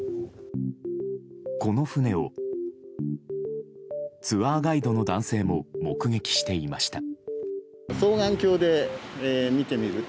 この船をツアーガイドの男性も目撃していました。